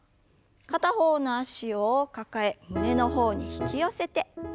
片方の脚を抱え胸の方に引き寄せて戻す運動です。